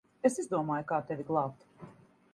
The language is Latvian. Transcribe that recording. Es izdomāju, kā tevi glābt.